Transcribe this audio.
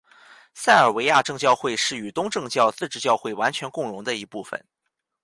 塞尔维亚正教会是与东正教自治教会完全共融的一部分。